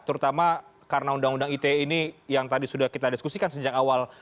terutama karena undang undang ite ini yang tadi sudah kita diskusikan sejak awal